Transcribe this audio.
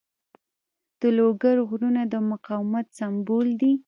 د لوګر غرونه د مقاومت سمبول دي.